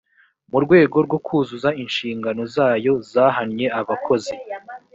mu rwego rwo kuzuza inshingano zayo yahannye abakozi.